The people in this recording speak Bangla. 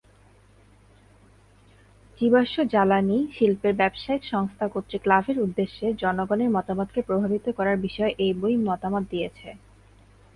জীবাশ্ম জ্বালানী শিল্পের ব্যবসায়িক সংস্থা কর্তৃক লাভের উদ্দেশ্যে জনগণের মতামতকে প্রভাবিত করার বিষয়ে এই বই মতামত দিয়েছে।